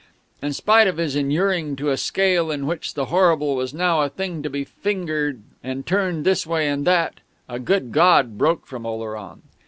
In spite of his inuring to a scale in which the horrible was now a thing to be fingered and turned this way and that, a "Good God!" broke from Oleron.